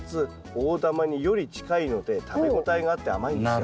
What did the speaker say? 大玉により近いので食べ応えがあって甘いんですよ。